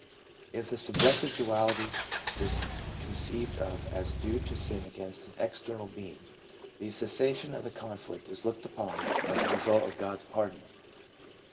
If the sub jective duality is conceived of as due to sin against an exter nal Being, the cessation of the conflict is looked upon as the 350 LETJBA : result of God's pardon.